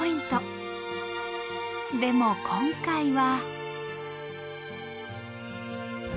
でも今回は。